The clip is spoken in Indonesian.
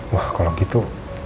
wah kalau gitu